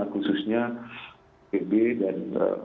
khususnya bnpb dan